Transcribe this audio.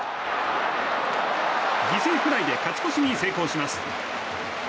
犠牲フライで勝ち越しに成功します。